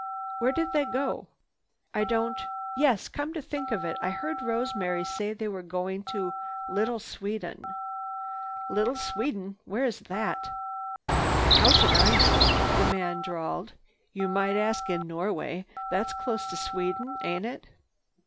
"Wh—where did they go?" "I don't—yes, come to think of it, I heard Rosemary say they was goin' to Little Sweden." "Little Sweden? Where's that?" "How should I know?" the man drawled. "You might ask in Norway. That's close to Sweden, ain't it?